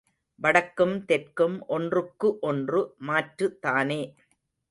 வடக்கும் தெற்கும் ஒன்றுக்கு ஒன்று மாற்றுதானே.